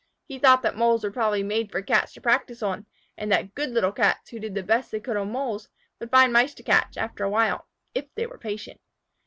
He thought that Moles were probably made for Cats to practice on, and that good little Cats, who did the best they could on Moles, would find Mice to catch after a while if they were patient.